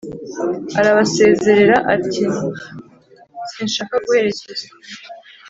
arabasezera ati"sinshaka guherekezwa